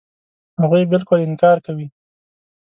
هغوی بالکل انکار کوي.